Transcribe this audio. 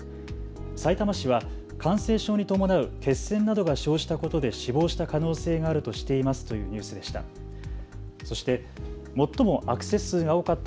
さいたま市は感染症に伴う血栓などが生じたことで死亡した可能性があるとしていますというニュースでした。